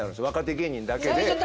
若手芸人だけで。